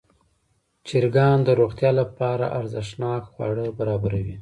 چرګان د روغتیا لپاره ارزښتناک خواړه برابروي.